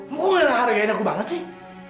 kok gak menghargai aku banget sih